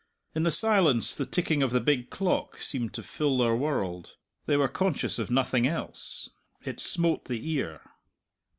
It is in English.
In the silence the ticking of the big clock seemed to fill their world. They were conscious of nothing else. It smote the ear.